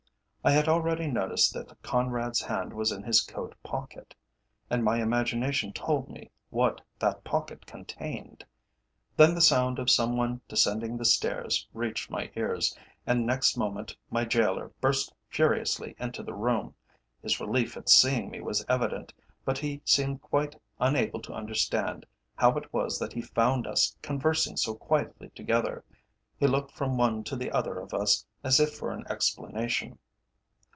I had already noticed that Conrad's hand was in his coat pocket, and my imagination told me what that pocket contained. Then the sound of some one descending the stairs reached my ears, and next moment my gaoler burst furiously into the room. His relief at seeing me was evident, but he seemed unable to understand how it was that he found us conversing so quietly together. He looked from one to the other of us as if for an explanation.